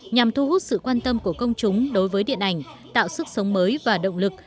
nhằm thu hút sự quan tâm của công chúng đối với điện ảnh tạo sức sống mới và động lực